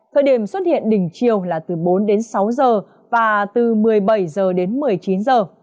thời điểm xuất hiện đỉnh chiều là từ bốn đến sáu giờ và từ một mươi bảy giờ đến một mươi chín giờ